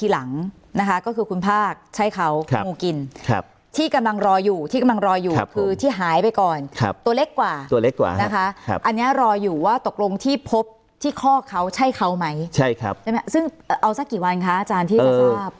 เล็กกว่านะคะอันนี้รออยู่ว่าตกลงที่พบที่ข้อเขาใช่เขาไหมใช่ครับใช่ไหมซึ่งเอาสักกี่วันคะอาจารย์ที่จะทราบ